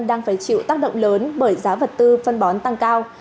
đang phải chịu tác động lớn bởi giá vật tư phân bón tăng cao